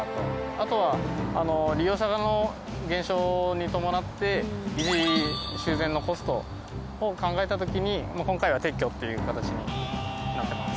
あとは利用者の減少に伴って維持修繕のコストを考えた時に今回は撤去っていう形になってます。